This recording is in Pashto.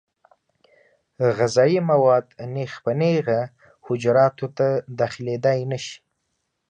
غذایي مواد نېغ په نېغه حجراتو ته داخلېدای نشي.